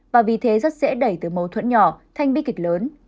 và vì thế rất dễ đẩy từ mâu thuẫn nhỏ thành bi kịch lớn